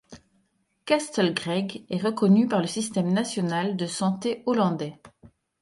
Castle Craig est reconnu par le système national de santé hollandais.